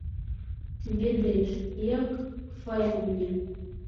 Ты ведаеш, як файна мне.